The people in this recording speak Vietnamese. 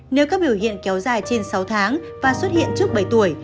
nếu các biểu hiện kéo dài trên sáu tháng và xuất hiện trước bảy tuổi